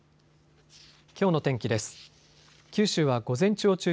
きょうの天気です。